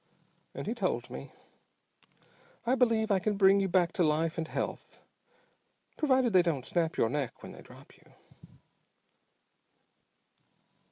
And he told me, 'I believe I can bring you back to life and health, provided they don't snap your neck when they drop you.'